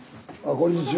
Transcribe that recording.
こんにちは。